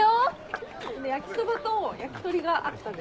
焼きそばと焼き鳥があったぜ。